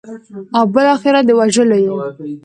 او بالاخره د وژلو یې.